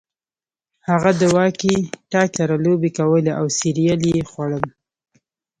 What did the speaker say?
هغه د واکي ټاکي سره لوبې کولې او سیریل یې خوړل